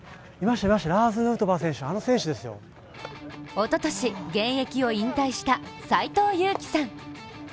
おととい現役を引退した斎藤佑樹さん。